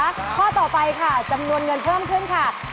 ข้อต่อไปค่ะจำนวนเงินเพิ่มขึ้นค่ะ